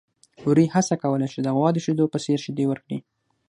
وري هڅه کوله چې د غوا د شیدو په څېر شیدې ورکړي.